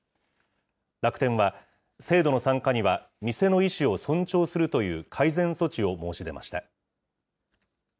楽天は、制度の参加には店の意思を尊重するという改善措置を申し出ました。